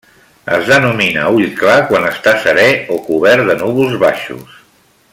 Es denomina ull clar quan està serè o cobert de núvols baixos.